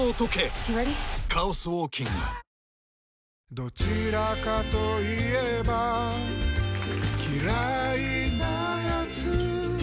どちらかと言えば嫌いなやつ